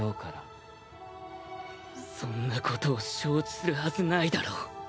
炭治郎：そんなことを承知するはずないだろう。